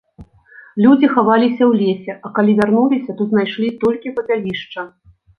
Людзі хаваліся ў лесе, а калі вярнуліся, то знайшлі толькі папялішча.